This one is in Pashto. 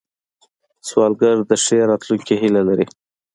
سوالګر د ښې راتلونکې هیله لري